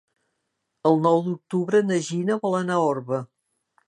El nou d'octubre na Gina vol anar a Orba.